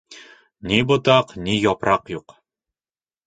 Ни ботаҡ, ни япраҡ юҡ!